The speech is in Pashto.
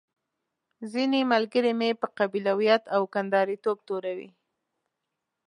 ځينې ملګري مې په قبيلويت او کنداريتوب توروي.